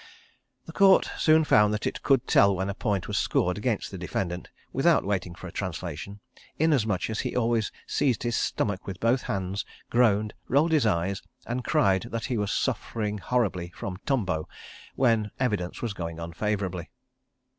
... The Court soon found that it could tell when a point was scored against the defendant, without waiting for translation, inasmuch as he always seized his stomach with both hands, groaned, rolled his eyes, and cried that he was suffering horribly from tumbo, when evidence was going unfavourably.